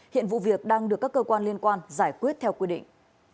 hiện vụ việc đang được các cơ quan liên quan giải quyết theo quy định